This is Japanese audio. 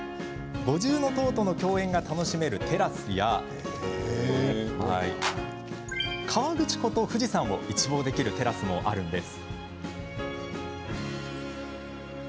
五重塔との共演が楽しめるテラスや河口湖と富士山を一望できるテラスもあるんです。